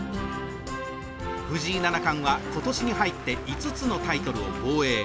藤井七冠は今年に入って５つのタイトルを防衛。